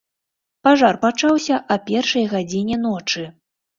Пажар пачаўся а першай гадзіне ночы.